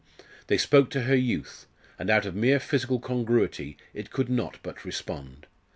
They spoke to her youth, and out of mere physical congruity it could not but respond.